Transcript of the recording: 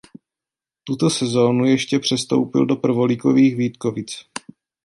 Tutéž sezónu ještě přestoupil do prvoligových Vítkovic.